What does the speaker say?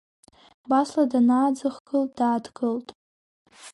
Басла данааӡыхгыл, дааҭгылт.